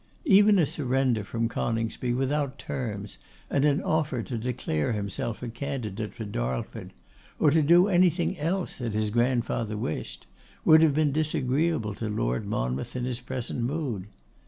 Even a surrender from Coningsby without terms, and an offer to declare himself a candidate for Darlford, or to do anything else that his grandfather wished, would have been disagreeable to Lord Monmouth in his present mood.